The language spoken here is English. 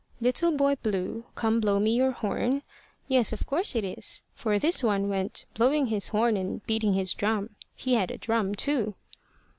Little Boy Blue, come blow me your horn Yes, of course it is for this one went `blowing his horn and beating his drum.' He had a drum too.